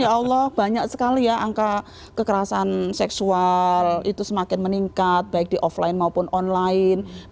ya allah banyak sekali ya angka kekerasan seksual itu semakin meningkat baik di offline maupun online